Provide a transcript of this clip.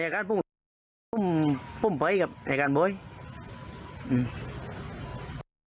กับผมกับอีกสินะ